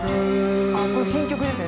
これ新曲ですね